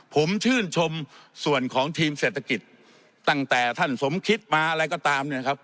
ผมชื่นชมส่วนของทีมเศรษฐกิจตั้งแต่ท่านสมคิดมาอะไรก็ตามเนี่ยครับ